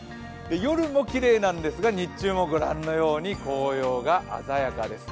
夜もきれいなんですが、日中もご覧のように紅葉が鮮やかです。